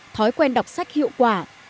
thói quen đọc sách hiệu quả